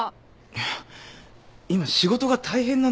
いや今仕事が大変なんですよ。